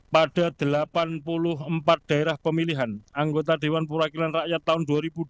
pada delapan puluh empat daerah pemilihan anggota dewan perwakilan rakyat tahun dua ribu dua puluh